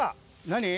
何？